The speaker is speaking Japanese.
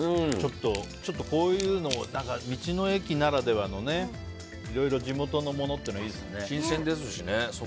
こういうの、道の駅ならではのいろいろ地元のものっていいですね。